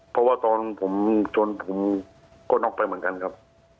เพราะว่าตอนผมโจรผมก็นอกด้วยเหมือนกันจริงครับ